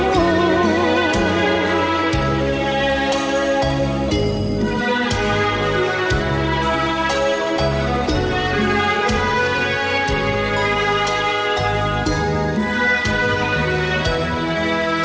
สัมพันธ์